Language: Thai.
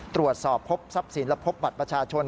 ตรวจสอบพบทรัพย์สินและพบบัตรประชาชน